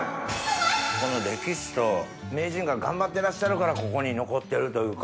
この歴史と名人が頑張ってらっしゃるからここに残ってるというか。